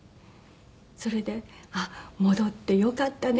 それで「戻ってよかったね」